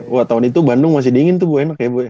dua tahun itu bandung masih dingin tuh bu enak ya bu